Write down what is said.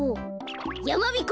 やまびこ